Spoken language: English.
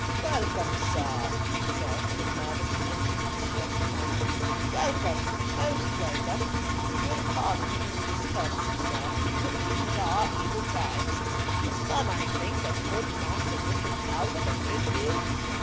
"Welcome, sir," he said, with a nervous anxious distressed manner. "Welcome, most welcome. You will pardon any discourtesy, sir, but these are evil times. The son, I think, of good Master Richard Talbot of Bridgefield?